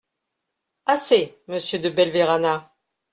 Assez, Monsieur De Belverana.